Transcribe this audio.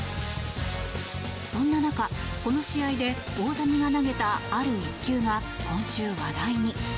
そんな中、この試合で大谷が投げたある一球が今週、話題に。